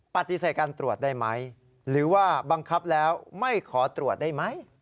ปฏิเสธการตรวจได้ไหมหรือว่าบังคับแล้วไม่ขอตรวจได้ไหม